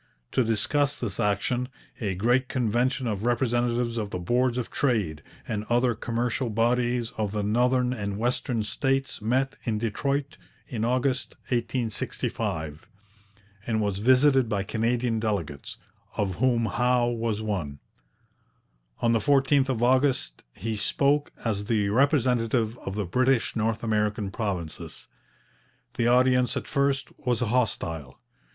To discuss this action, a great convention of representatives of the Boards of Trade and other commercial bodies of the northern and western States met in Detroit in August 1865, and was visited by Canadian delegates, of whom Howe was one. On the 14th of August he spoke as the representative of the British North American provinces. The audience at first was hostile.